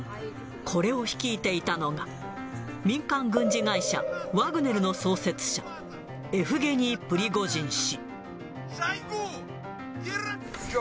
これを率いていたのが、民間軍事会社、ワグネルの創設者、エフゲニー・プリゴジン氏。